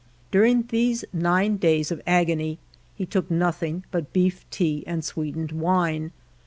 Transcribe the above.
During these nine days of agony he took nothing but beef tea and sweetened wine.